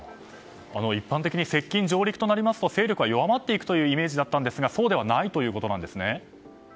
一般的に接近・上陸となりますと勢力は弱まっていくイメージでしたがそうではないということなんですね。